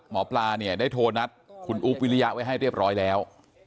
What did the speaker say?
หมอปลาเนี่ยได้โทรนัดคุณอุ๊บวิริยะไว้ให้เรียบร้อยแล้ว